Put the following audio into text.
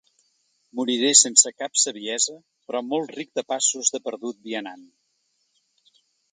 Moriré sense cap saviesa, però molt ric de passos de perdut vianant.